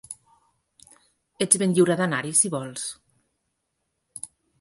Ets ben lliure d'anar-hi, si vols.